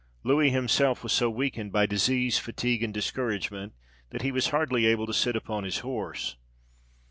Louis himself was so weakened by disease, fatigue, and discouragement, that he was hardly able to sit upon his horse.